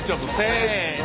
せの。